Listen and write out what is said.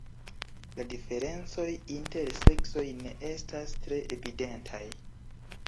La diferencoj inter seksoj ne estas tre evidentaj.